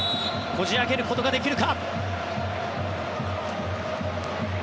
こじ開けることができるか。